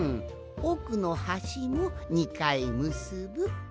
おくのはしも２かいむすぶ。